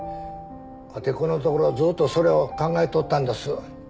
わてこのところずっとそれを考えとったんどす。